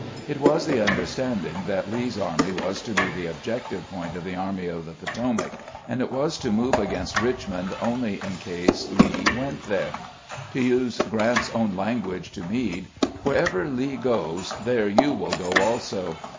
It was the understanding that Lee's army was to be the objective point of the Army of the Potomac, and it was to move against Richmond only in case Lee went there. To use Grant's own language to Meade, " Wherever Lee goes, there you wiU go also."